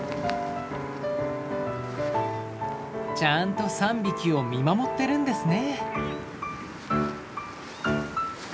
ちゃんと３匹を見守ってるんですね。